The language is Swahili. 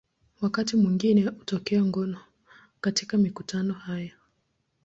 Wakati mwingine hutokea ngono katika mikutano haya.